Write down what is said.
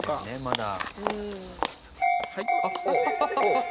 まだ。